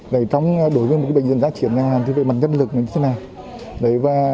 đối với một bệnh viện giá chiến nhà hàng thì về mặt nhân lực nó như thế nào